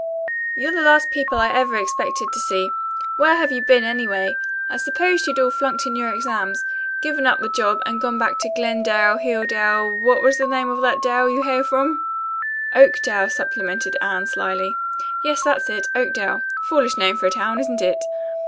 "You're the last people I ever expected to see. Where have you been, anyway? I supposed you'd all flunked in your exams, given up the job, and gone back to Glendale, Hilldale what's the name of that dale you hail from?" "Oakdale," supplemented Anne slyly. "Yes, that's it. Oakdale. Foolish name for a town, isn't it?"